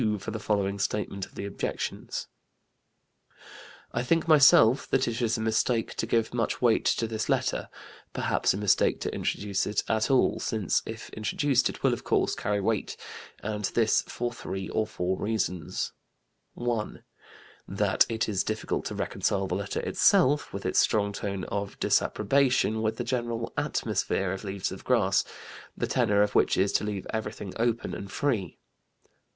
for the following statement of the objections: "I think myself that it is a mistake to give much weight to this letter perhaps a mistake to introduce it at all, since if introduced it will, of course, carry weight. And this for three or four reasons: "1. That it is difficult to reconcile the letter itself (with its strong tone of disapprobation) with the general 'atmosphere' of Leaves of Grass, the tenor of which is to leave everything open and free.